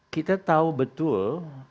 kita tahu betul